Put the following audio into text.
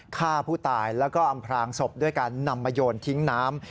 ฆ่าผู้ตายแล้วก็อำพลางศพด้วยการนำมาโยนทิ้งน้ำ